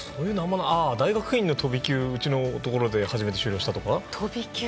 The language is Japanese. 大学院の飛び級うちのところで初めて修了したとか？